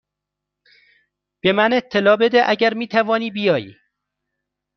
به من اطلاع بده اگر می توانی بیایی.